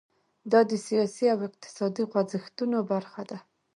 دا د سیاسي او اقتصادي خوځښتونو برخه ده.